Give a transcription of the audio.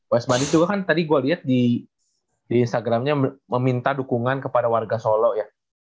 west money itu kan tadi gue lihat di instagramnya meminta dukungan kepada warga solo ya